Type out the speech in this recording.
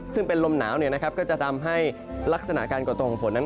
ซึ่งเป็นลมหนาวเนี่ยนะครับก็จะทำให้ลักษณะการกดตรงผลนั้น